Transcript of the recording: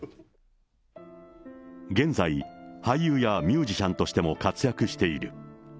現在、俳優やミュージシャンとしても活躍している。